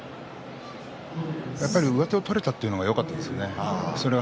上手を取れたというのがよかったですね。